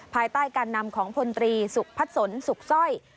ภายใต้การนำของพลตรีสุพัดสนสุขสร้อย